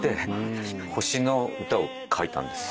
星の歌を書いたんです。